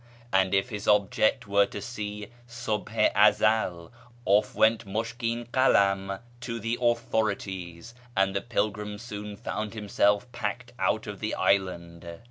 And if his object were to see Subh i Ezel, off went Mushkin Kalam to the authorities, and the pilgrim soon found himself packed out of the island.